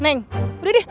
neng udah deh